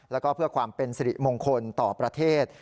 แล้วก็เพื่อความเป็นสิริมงคลต่อประเทศ